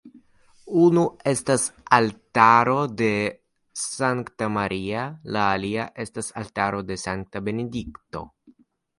Unu estas altaro de Sankta Maria, la alia estas altaro de Sankta Benedikto.